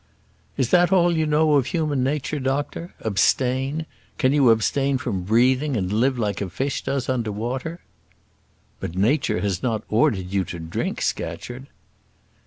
"Is that all you know of human nature, doctor? Abstain. Can you abstain from breathing, and live like a fish does under water?" "But Nature has not ordered you to drink, Scatcherd."